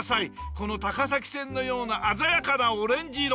この高崎線のような鮮やかなオレンジ色。